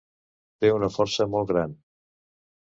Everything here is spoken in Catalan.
Té una força molt gran.